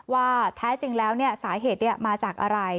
ว่าแท้จริงแล้วสาเหตุมาจากอะไร